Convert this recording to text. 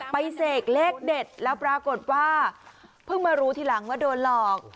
เสกเลขเด็ดแล้วปรากฏว่าเพิ่งมารู้ทีหลังว่าโดนหลอก